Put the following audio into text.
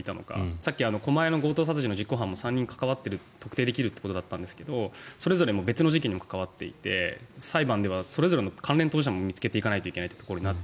さっき狛江の強盗殺人の実行犯も３人関わっている、特定できるということだったんですがそれぞれ別の事件にも関わていて裁判ではそれぞれの関連当事者も見つけていかないといけないと。